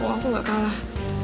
kalo aku gak kalah